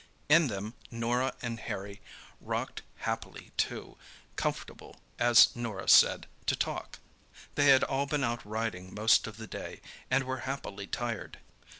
In them Norah and Harry rocked happily, too comfortable, as Norah said, to talk. They had all been out riding most of the day, and were happily tired.